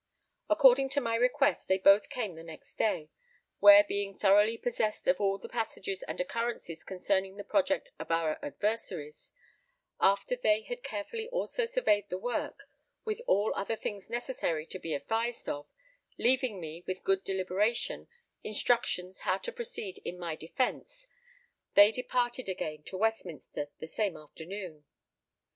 According to my request, they both came the next day; where being throughly possessed of all the passages and occurrences concerning the project of our adversaries, after they had carefully also surveyed the work, with all other things necessary to be advised of, leaving with me, with good deliberation, instructions how to proceed in my defence, they departed again to Westminster the same afternoon.